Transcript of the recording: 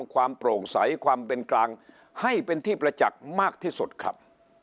ความโปร่งใสความเป็นกลางให้เป็นที่ประจักษ์มากที่สุดครับ